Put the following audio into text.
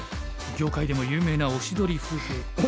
業界でも有名なおしどり夫婦の林先生。